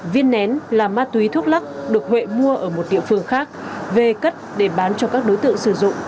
viên nén là ma túy thuốc lắc được huệ mua ở một địa phương khác về cất để bán cho các đối tượng sử dụng